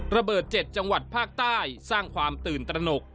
ระเบิด๗จังหวัดภาคใต้สร้างความตื่นตระหนก